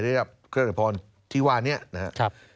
ได้รับเครื่องระดับสูงที่ว่านี้นะครับ